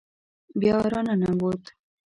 بیا را ننوت.